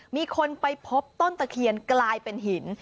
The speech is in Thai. มีคนไปพบต้นตะเคียนกลายเป็นหิน